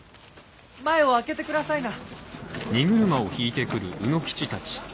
前をあけてくださいな。